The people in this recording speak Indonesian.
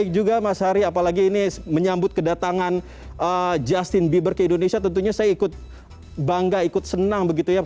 justin bieber ke indonesia tentunya saya ikut bangga ikut senang begitu ya